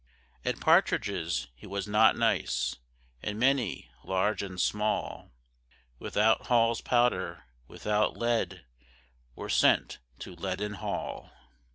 At partridges he was not nice; And many, large and small, Without Hall's powder, without lead, Were sent to Leaden Hall.